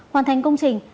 hoàn thành công trình